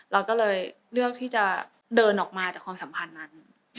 เราก็เลยเลือกที่จะเดินออกมาจากความสัมพันธ์นั้น